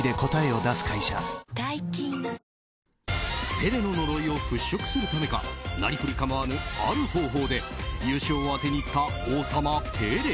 ペレの呪いを払しょくするためかなりふり構わぬある方法で優勝を当てにいった王様、ペレ。